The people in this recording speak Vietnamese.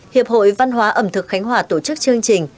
hiệp hội văn hóa ẩm thực khánh hòa tổ chức chương trình